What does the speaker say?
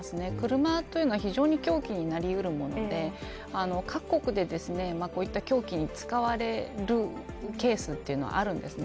車というのは非常に凶器になり得るもので各国で凶器に使われるケースがあるんですね。